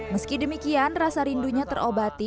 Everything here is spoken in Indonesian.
meski demikian rasa rindunya terobati